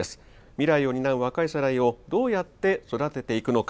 未来を担う若い世代をどうやって育てていくのか。